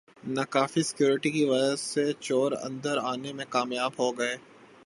ناکافی سیکورٹی کی وجہ سےچور اندر آنے میں کامیاب ہوگئے